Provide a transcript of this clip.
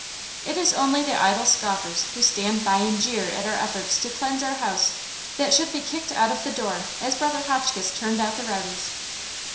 It is only the idle scoffers who stand by and jeer at our efforts to cleanse our house that should be kicked out of the door, as Brother Hotchkins turned out the rowdies.